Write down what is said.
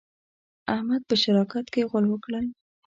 احمد په شراکت کې غول وکړل.